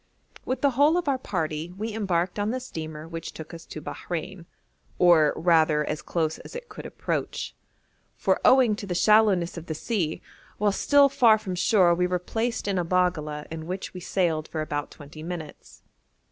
With the whole of our party we embarked on the steamer which took us to Bahrein, or rather as close as it could approach; for, owing to the shallowness of the sea, while still far from shore we were placed in a baggala in which we sailed for about twenty minutes.